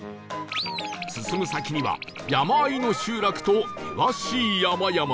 進む先には山あいの集落と険しい山々が